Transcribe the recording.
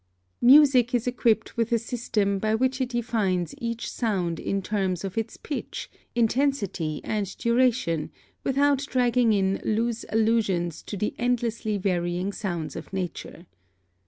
+ (3) Music is equipped with a system by which it defines each sound in terms of its pitch, intensify, and duration, without dragging in loose allusions to the endlessly varying sounds of nature.